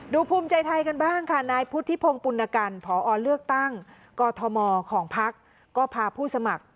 ภูมิใจไทยกันบ้างค่ะนายพุทธิพงศ์ปุณกันพอเลือกตั้งกอทมของพักก็พาผู้สมัคร